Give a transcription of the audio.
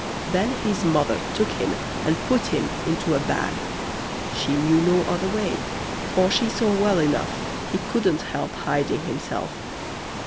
Then his mother took him and put him into a bag; she knew no other way, for she saw well enough he couldn't help hiding himself.